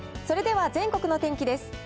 それでは全国の天気です。